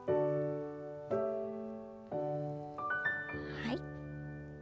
はい。